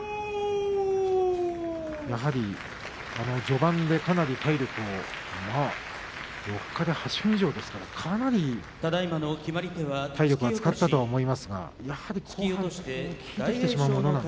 やはり序盤で４日で８分以上というかなり体力を使ったと思いますがやはり効いてきてしまうもの